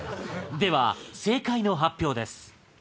では正解の発表です。